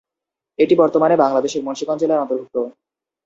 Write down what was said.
এটি বর্তমানে বাংলাদেশের মুন্সীগঞ্জ জেলার অন্তর্ভুক্ত।